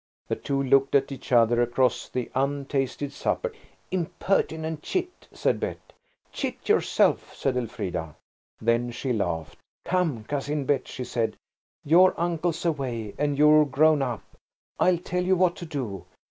The two looked at each other across the untasted supper. "Impertinent chit!" said Bet. "Chit yourself," said Elfrida. Then she laughed. "Come, Cousin Bet," she said, "your uncle's away and you're grown up. I'll tell you what to do.